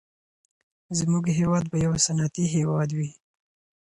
زموږ هېواد به يو صنعتي هېواد وي.